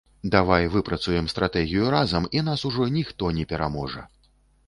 Давай выпрацуем стратэгію разам і нас ужо ніхто не пераможа.